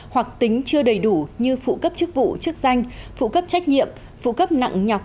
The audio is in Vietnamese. hoặc tính chưa đầy đủ như phụ cấp chức vụ chức danh phụ cấp trách nhiệm phụ cấp nặng nhọc